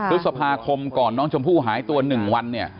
๑๐ฤษภาคมก่อนน้องชมพู่หายตัว๑วัน